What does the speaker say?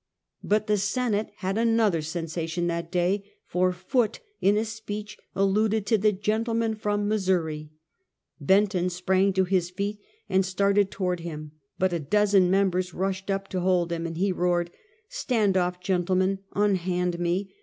But the Senate had another sensation that day, for Foot, in a speech alluded to ''the gentleman from Missouri." Benton sprang to his feet, and started to ward him, but a dozen members rushed up to hold him, and he roared :" Stand off, gentlemen! Unhand me!